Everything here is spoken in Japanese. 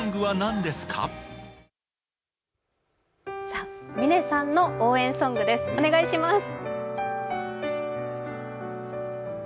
嶺さんの応援ソングですお願いします。